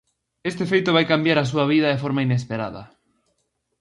Este feito vai cambiar a súa vida de forma inesperada.